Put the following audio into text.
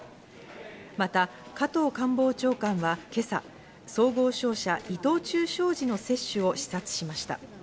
また加藤官房長官は今朝、総合商社・伊藤忠商事の接種を視察しました。